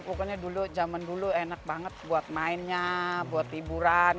pokoknya dulu zaman dulu enak banget buat mainnya buat liburan